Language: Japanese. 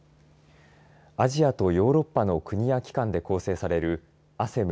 アジアとヨーロッパの国や機関で構成されるＡＳＥＭ